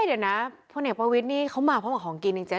เดี๋ยวนะพลเอกประวิทย์นี่เขามาพร้อมกับของกินจริงเจ๊